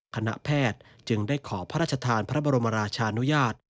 คณะแพทย์จึงได้ขอพระราชทานพระบรมราชานุญาต